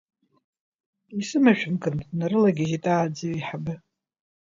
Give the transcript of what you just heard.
Исымашәымкын, днарылагьежьит ааӡаҩ еиҳабы.